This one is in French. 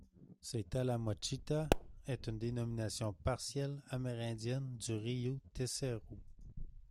Ctalamochita est une dénomination partiellement amérindienne du Río Tercero.